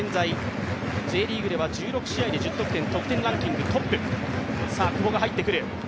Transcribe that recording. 現在、Ｊリーグでは１６試合で１０得点得点ランキングトップ。